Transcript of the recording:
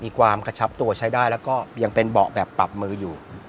กระชับตัวใช้ได้แล้วก็ยังเป็นเบาะแบบปรับมืออยู่